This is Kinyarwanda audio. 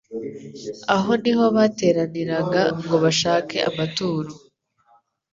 Aho ni ho bateraniraga ngo bashake amaturo.